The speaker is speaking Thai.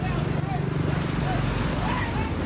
เฮ้ย